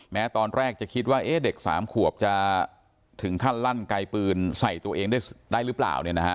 แม้ตอนแรกจะคิดว่าเด็ก๓ขวบจะถึงขั้นลั่นไกลปืนใส่ตัวเองได้หรือเปล่า